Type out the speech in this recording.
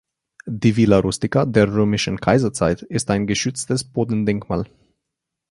Die Villa rustica der römischen Kaiserzeit ist ein geschütztes Bodendenkmal.